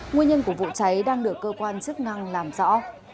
nguyên nhân của vụ cháy đang được cơ quan chức năng làm rõ